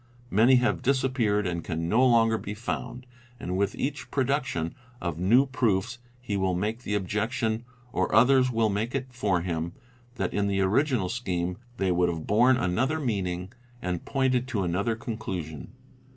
Many have disappeared and can no longer be found, and with each production of new proofs he will make the objection, or others will make it for him, that in the original scheme they would have borne another meaning and pointed to another conclusion.